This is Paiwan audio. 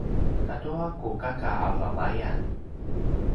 katua ku kaka a vavayan